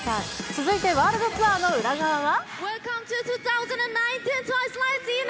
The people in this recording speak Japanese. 続いてワールドツアーの裏側は？